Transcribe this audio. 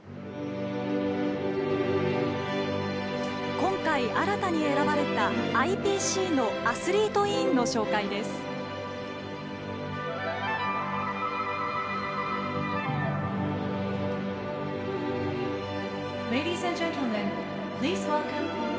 今回、新たに選ばれたＩＰＣのアスリート委員の紹介です。